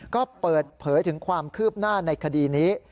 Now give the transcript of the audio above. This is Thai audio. ก็เปิดเผยถึงความคืบหน้าในคดีนี้